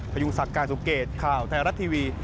พยุงศักดิ์การสมเกตข่าวไทยรัฐทีวี